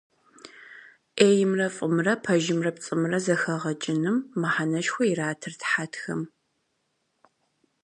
Ӏеймрэ фӏымрэ, пэжымрэ пцӏымрэ зэхэгъэкӏыным мыхьэнэшхуэ иратырт хьэтхэм.